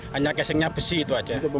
hanya kesengnya besi itu saja